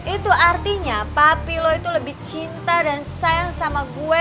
itu artinya papilo itu lebih cinta dan sayang sama gue